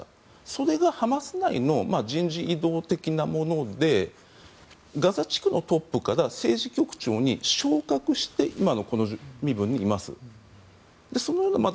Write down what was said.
それがハマス内の人事異動的なものでガザ地区のトップから政治局長に昇格して今のこの身分にいます。